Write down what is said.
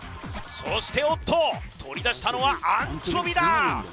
そしておっと取り出したのはアンチョビだ